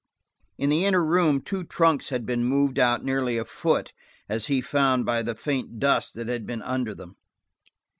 In the inner room two trunks had been moved out nearly a foot, as he found by the faint dust that had been under them.